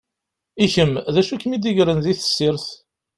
I kem, d acu i kem-id-igren di tessirt?